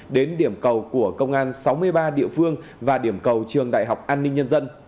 đến điểm cầu của công an sáu mươi ba địa phương và điểm cầu trường đại học an ninh nhân dân